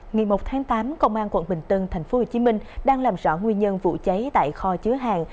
ngày một tháng tám công an quận bình tân tp hcm đang làm rõ nguyên nhân vụ cháy tại kho chứa hàng